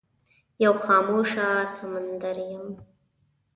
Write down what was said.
یو خاموشه سمندر یم